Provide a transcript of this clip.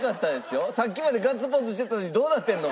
さっきまでガッツポーズしてたのにどうなってるの？